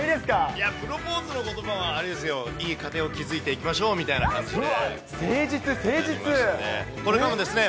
いや、プロポーズのことばはあれですよ、いい家庭を築いていきましょうみたいな感じで言いましたね。